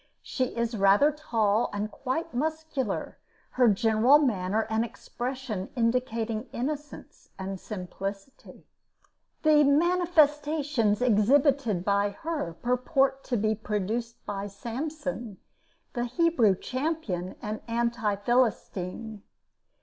She is rather tall and quite muscular, her general manner and expression indicating innocence and simplicity. The "manifestations" exhibited by her purport to be produced by Samson, the Hebrew champion and anti philistine.